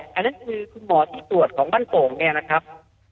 อันนั้นคือคุณหมอที่ตรวจของบ้านโป่งเนี่ยนะครับ